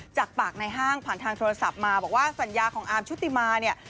จากปากในห้างผ่านทางโทรศัพท์มาบอกว่าสัญญาของอาร์มชุติมาเนี่ย